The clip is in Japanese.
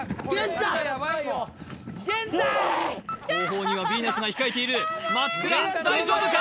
後方にはヴィーナスが控えている松倉大丈夫か？